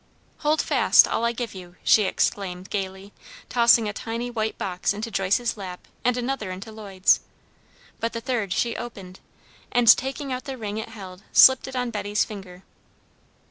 "Hold fast all I give you!" she exclaimed, gaily, tossing a tiny white box into Joyce's lap and another into Lloyd's. But the third one she opened, and, taking out the ring it held, slipped it on Betty's finger.